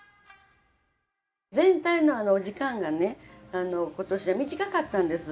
全体のお時間がね今年は短かったんです。